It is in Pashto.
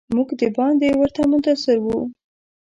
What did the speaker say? موږ د باندې ورته منتظر وو.